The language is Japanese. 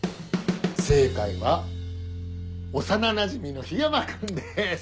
正解は幼なじみの緋山君です。